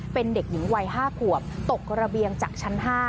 เป็นเด็กหญิงวัย๕ขวบตกระเบียงจากชั้น๕